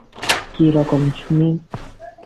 কী রকম শুনি?